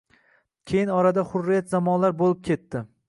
Keyin orada hurriyat zamonlar boʼlib ketdi.